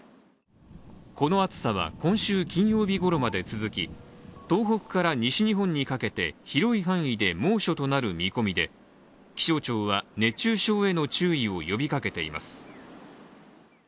この暑さは今週金曜日ごろまで続き東北から西日本にかけて広い範囲で猛暑となる見込みで気象庁は熱中症への注意を呼びかけています。